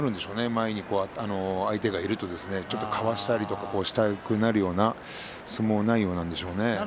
前に相手がいると、ちょっと交わしたりしたくなるような相撲内容なんでしょうね。